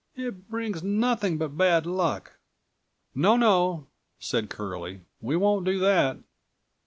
It brings nothing but bad luck." "No, no," said Curlie, "we won't do that."